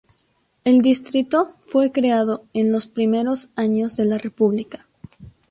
El distrito fue creado en los primeros años de la República.